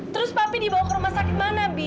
terus papa dibawa ke rumah sakit mana